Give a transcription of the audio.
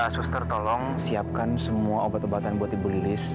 suster tolong siapkan semua obat obatan buat ibu lilis